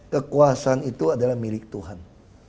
kekuasaan itu milik tuhan